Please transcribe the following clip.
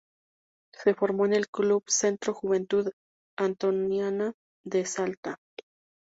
Se formó en el Club Centro Juventud Antoniana de Salta.